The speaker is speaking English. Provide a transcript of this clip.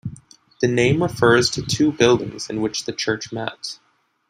The name refers to two buildings in which the church met.